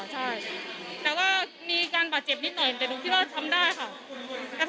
ใช่แต่ว่ามีการบาดเจ็บนิดหน่อยแต่หนูคิดว่าทำได้ค่ะ